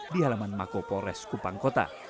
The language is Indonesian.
di halaman mako polres kupang kota